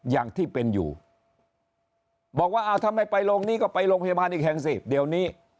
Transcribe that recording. อย่างที่เป็นอยู่บอกว่าถ้าไม่ไปโรงนี้ก็ไปโรงพยาบาลอีกแห่งสิเดี๋ยวนี้